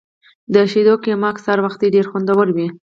د شیدو قیماق سهار وختي ډیر خوندور وي.